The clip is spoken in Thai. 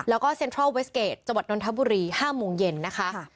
แล้วก็เซ็นทรัลเวสเกจจังหวัดนทบุรี๕โมงเย็นนะคะ